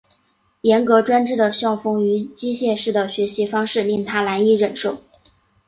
严格专制的校风与机械式的学习方式令他难以忍受。